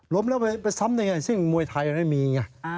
แล้วไปซ้ำได้ไงซึ่งมวยไทยไม่มีไง